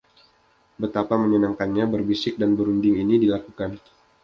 Betapa menyenangkannya berbisik dan berunding ini dilakukan.